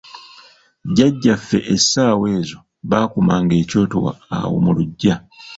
Jjajjaffe essaawa ezo baakumanga ekyoto awo mu luggya.